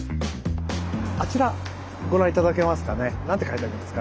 あちらご覧頂けますかね何て書いてありますかね？